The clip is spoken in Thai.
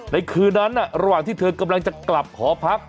คืนนั้นระหว่างที่เธอกำลังจะกลับหอพัก